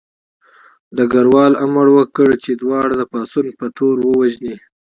ډګروال امر وکړ چې دواړه د پاڅون په تور ووژني